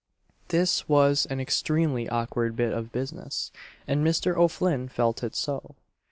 This was an extremely awkward bit of business, and Mr. O'Flinn felt it so.